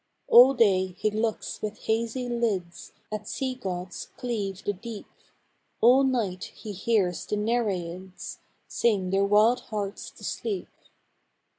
All day he looks with hazy lids At sea gods cleave the deep; All night he hears the Nereïds Sing their wild hearts to sleep.